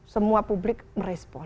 semua publik merespon